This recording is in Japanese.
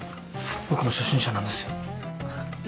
僕も初心者なんですよ。